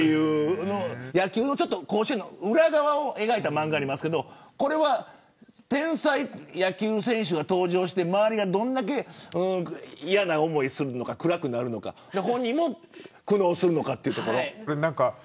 甲子園の裏側を描いた漫画がありますが天才野球選手が登場して周りがどれだけ嫌な思いをするのか暗くなるのか本人も苦悩するのかというところ。